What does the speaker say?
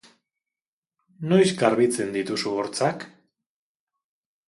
Noiz garbitzen dituzu hortzak?